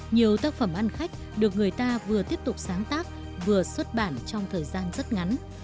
nhiều tác phẩm ăn khách được người ta vừa tiếp tục sáng tác vừa xuất bản trong thời gian rất ngắn